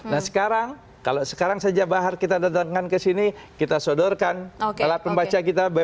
nah sekarang kalau sekarang saja bahar kita datangkan ke sini kita sodorkan alat pembaca kita biometrik itu pasti keluar nick nya bahar sendiri